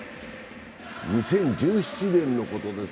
２０１７年のことです。